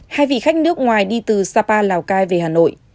hai vị khách nước ngoài đi từ sapa lào cai về hà nội